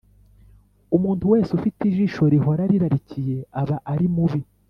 Umuntu ufite ijisho rihora rirarikiye, aba ari mubi,